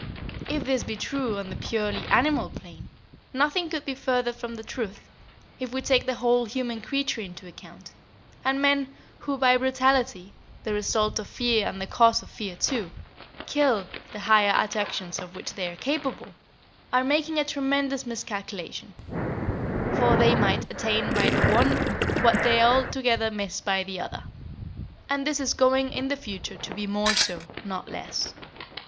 If this be true on the purely animal plane, nothing could be further from the truth, if we take the whole human creature into account, and men who, by brutality (the result of fear and the cause of fear, too), kill the higher attractions of which they are capable, are making a tremendous miscalculation; for they might attain by the one what they altogether miss by the other; and this is going in the future to be more so, not less.